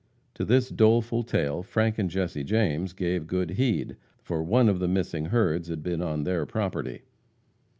To this doleful tale Frank and Jesse James gave good heed, for one of the missing herds had been their property.